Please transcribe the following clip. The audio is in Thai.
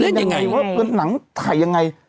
เล่นอย่างไงว่าวันหนังถ่ายยังไง